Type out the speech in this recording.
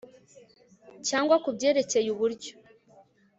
cyangwa kubyerekeye uburyo